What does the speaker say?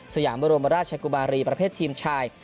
ยามบรมราชกุมารีประเภททีมชาย